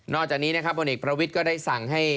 จากนี้นะครับบนเอกประวิทย์ก็ได้สั่งให้